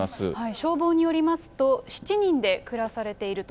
消防によりますと、７人で暮らされていると。